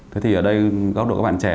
thế thì ở đây góc độ các bạn trẻ